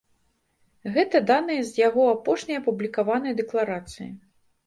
Гэта даныя з яго апошняй апублікаванай дэкларацыі.